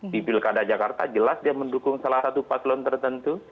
di pilkada jakarta jelas dia mendukung salah satu paslon tertentu